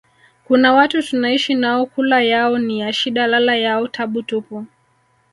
kuna watu tunaishi nao kula yao ni ya shida lala yao tabu tupu